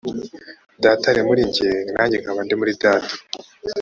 data ari muri jye nanjye nkaba ndi muri data